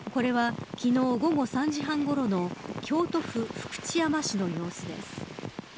これは昨日、午後３時半ごろの京都府福知山市の様子です。